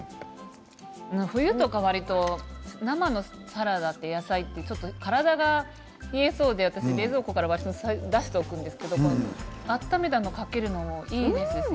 冬とか、わりと生のサラダって野菜って体が冷えそうで私、冷蔵庫から出しておくんですけれど温めたものをかけるのはいいですね。